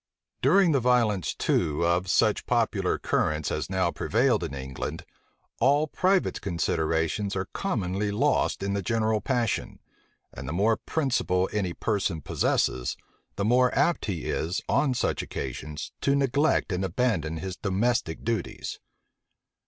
During the violence too of such popular currents as now prevailed in England, all private considerations are commonly lost in the general passion; and the more principle any person possesses, the more apt is he, on such occasions, to neglect and abandon his domestic duties.